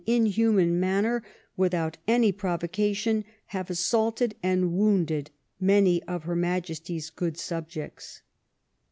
inhuman manner, without any Provocation, have Assaulted and Wounded many of her Majesty's good subjects."